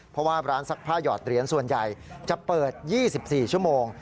เพราะว่าร้านซักผ้าหยอดเหรียญส่วนใหญ่จะเปิด๒๔ชั่วโมง